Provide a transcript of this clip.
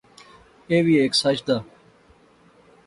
ایہہ وی ہیک سچ دا